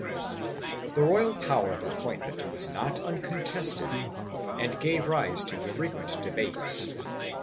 4 The royal power of appointment was not uncontested and gave rise to frequent debates.